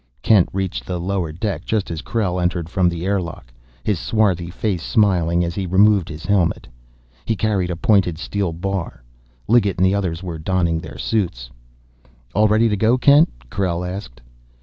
Kent reached the lower deck just as Krell entered from the airlock, his swarthy face smiling as he removed his helmet. He carried a pointed steel bar. Liggett and the others were donning their suits. "All ready to go, Kent?" Krell asked.